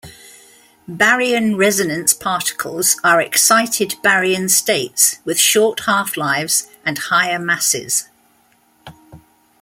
Baryon resonance particles are excited baryon states with short half lives and higher masses.